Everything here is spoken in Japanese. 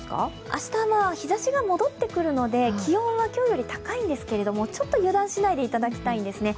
明日は日ざしが戻ってくるので、気温は今日より高いんですけど、ちょっと油断しないでいただきたいんですね。